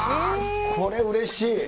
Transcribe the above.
これ、うれしい。